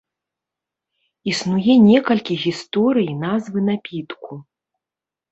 Існуе некалькі гісторый назвы напітку.